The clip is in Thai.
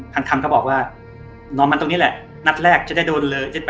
คำก็บอกว่านอนมันตรงนี้แหละนัดแรกจะได้โดนเลย